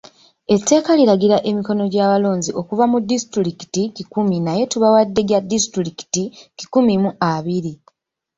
Etteeka liragira emikono gy'abalonzi okuva mu Disitulikiti kikumi naye tubawadde gya Disitulikiti kikumi abiri.